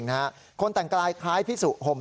พระขู่คนที่เข้าไปคุยกับพระรูปนี้